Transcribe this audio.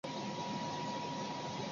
李天惠是美国数学家与企业家。